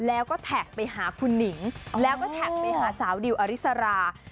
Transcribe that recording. แล้วก็แท็กไปหาคุณหนิงแล้วก็แท็กไปหาสาวดิวอริสรา